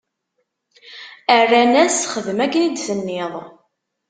Rran-as: Xdem akken i d-tenniḍ!